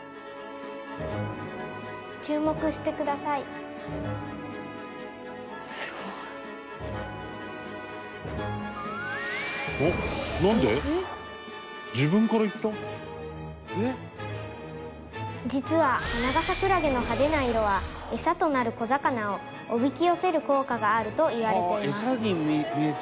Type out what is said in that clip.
「注目してください」「すごい」「実はハナガサクラゲの派手な色は餌となる小魚をおびき寄せる効果があるといわれています」